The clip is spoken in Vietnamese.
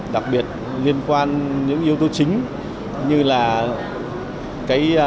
đặc biệt liên quan những yếu tố chính như là